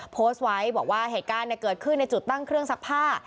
โพสต์ไว้บอกว่าเหตุการณ์เกิดขึ้นในจุดตั้งเครื่องซักผ้า